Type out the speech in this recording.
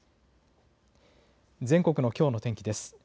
全国のきょうの天気です。